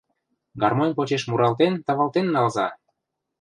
Гармонь почеш муралтен-тавалтен налза!